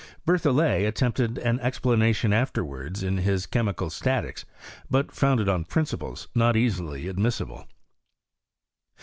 Berlhollet attempted an explanation afterwards in his Chemical Statics ; but founded on principles not easily admissible.